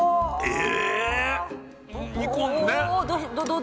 え⁉